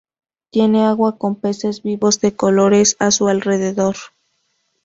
Tiene agua con peces vivos de colores a su alrededor.